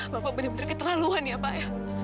bapak benar benar keterlaluan ya pak ya